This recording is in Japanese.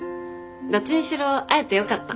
どっちにしろ会えてよかった。